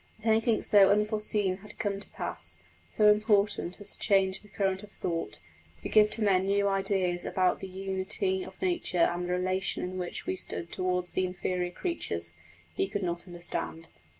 That anything so unforeseen had come to pass, so important as to change the current of thought, to give to men new ideas about the unity of nature and the relation in which we stood towards the inferior creatures, he could not understand.